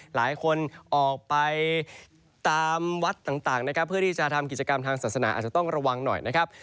หลายคนออกไปตามวัดต่างนะครับเพื่อที่จะทำกิจกรรมทางศาสนาอาจจะต้องระวังหน่อยนะครับ